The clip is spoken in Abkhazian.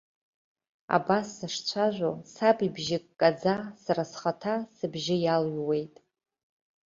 Абас сышцәажәо, саб ибжьы ккаӡа сара схаҭа сыбжьы иалҩуеит.